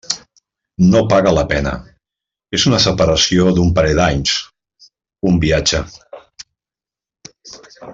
No paga la pena; és una separació d'un parell d'anys..., un viatge.